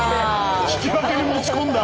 引き分けに持ち込んだ！